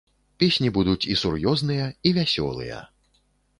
Песні будуць і сур'ёзныя, і вясёлыя.